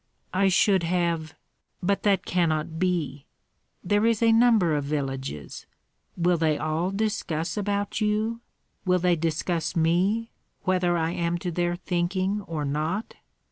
"I should have But that cannot be. There is a number of villages. Will they all discuss about you? Will they discuss me, whether I am to their thinking or not?